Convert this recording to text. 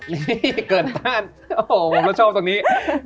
นี่เกิดต้านโอ้โหผมก็ชอบตรงนี้